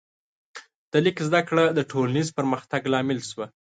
د لیک زده کړه د ټولنیز پرمختګ لامل شوه.